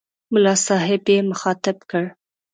ملا صاحب یې مخاطب کړ.